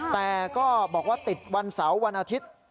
แต่ก็บอกว่าติดวันเสาร์วันอาทิตย์